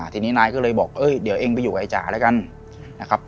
ทีนี้นายก็เลยบอกเดี๋ยวเองไปอยู่กับไอ้จ๋าแล้วกันนะครับ